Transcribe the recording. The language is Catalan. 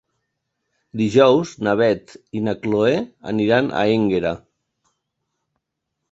Dijous na Beth i na Chloé aniran a Énguera.